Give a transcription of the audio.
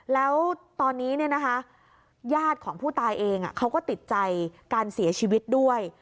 แล้วตอนนี้ญาติของผู้ตายเองเขาก็ติดใจการเสียชีวิตด้วย